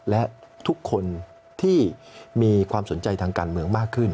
และทุกคนที่มีความสนใจทางการเมืองมากขึ้น